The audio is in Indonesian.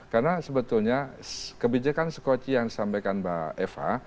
karena sebetulnya kebijakan skocie yang disampaikan mbak eva